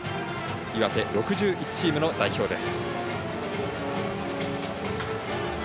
岩手、６１チームの代表です。